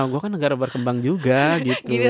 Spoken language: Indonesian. gue kan negara berkembang juga gitu